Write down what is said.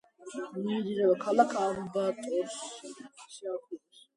მიედინება ქალაქ ამბატოს სიახლოვეს.